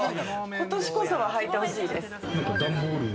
今年こそは履いてほしいです。